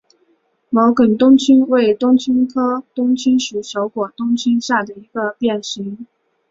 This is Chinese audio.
毛梗冬青为冬青科冬青属小果冬青下的一个变型。